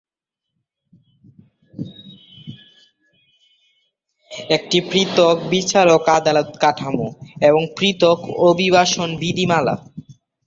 যেমন: একটি পৃথক বিচারিক আদালত কাঠামো এবং পৃথক অভিবাসন বিধিমালা।